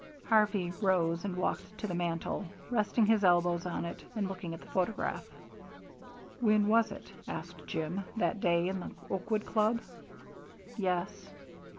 Harvey rose and walked to the mantel, resting his elbows on it and looking at the photograph. "When was it?" asked Jim. "That day in the Oakwood Club?" "Yes."